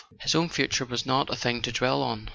His own future was not a thing to dwell on.